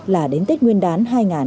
là đến tết nguyên đán hai nghìn hai mươi